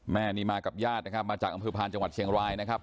แม่นี่มากับญาตินะครับมาจากอำเภอพานจังหวัดเชียงรายนะครับ